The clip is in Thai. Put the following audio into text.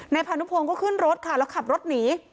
พานุพงศ์ก็ขึ้นรถค่ะแล้วขับรถหนี